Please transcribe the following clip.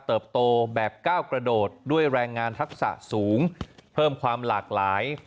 โตแบบก้าวกระโดดด้วยแรงงานทักษะสูงเพิ่มความหลากหลาย